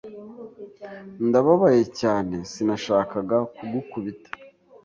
Ndababaye cyane. Sinashakaga kugukubita.